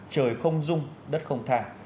trời không dung đất không tha